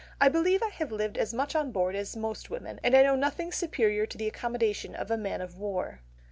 I believe I have lived as much on board as most women and I know nothing superior to the accommodation of a man of war."